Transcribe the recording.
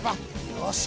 よし！